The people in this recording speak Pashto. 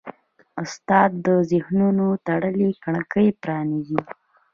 استاد د ذهنونو تړلې کړکۍ پرانیزي.